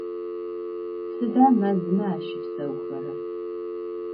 Сыда мэзмэ ащыпсэухэрэр?